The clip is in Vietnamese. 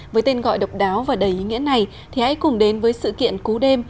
với tên gọi độc đáo và đầy ý nghĩa này thì hãy cùng đến với sự kiện cú đêm